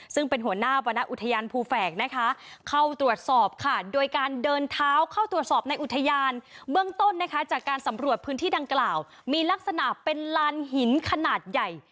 ซึ่งเป็นหัวหน้าวรรณอุทยานภูแฝกนะคะเข้าตรวจสอบค่ะโดยการเดินเท้าเข้าตรวจสอบในอุทยานเบื้องต้นนะคะจากการสำรวจพื้นที่ดังกล่าวมีลักษณะเป็นลานหินขนาดใหญ่